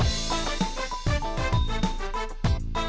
เอาละ